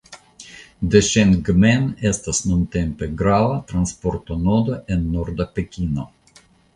Deŝengmen estas nuntempe grava transportonodo en norda Pekino.